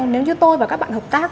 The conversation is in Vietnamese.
nếu như tôi và các bạn hợp tác